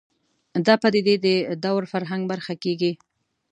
دا پدیدې د دور فرهنګ برخه کېږي